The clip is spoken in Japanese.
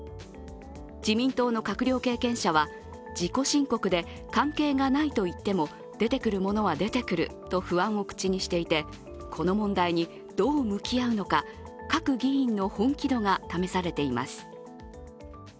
自民党の閣僚関係者は、自己申告で関係がないと言っても出てくるものは出てくると不安を口にしていて、この問題にどう向き合うのか各議員の本気度が試されています。